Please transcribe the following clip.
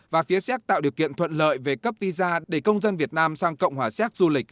và phía xác tạo điều kiện thuận lợi về cấp visa để công dân việt nam sang cộng hòa xéc du lịch